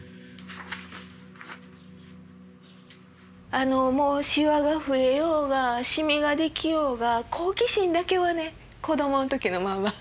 あのもうシワが増えようがシミが出来ようが好奇心だけはね子供の時のまま。